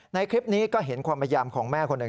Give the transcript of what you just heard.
ในคลิปนี้ก็เห็นความพยายามของแม่คนหนึ่ง